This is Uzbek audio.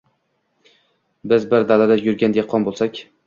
— Biz bir dalada yurgan dehqon bo‘lsak?